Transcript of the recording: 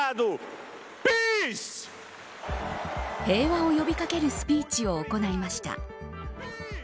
平和を呼び掛けるスピーチを行いました。